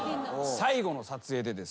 最後の撮影でですね